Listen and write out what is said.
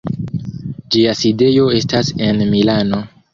Ĝia sidejo estas en Milano.